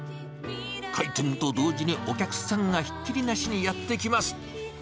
開店と同時に、お客さんがひっきりなしにやって来ます。